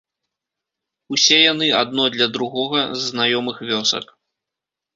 Усе яны, адно для другога, з знаёмых вёсак.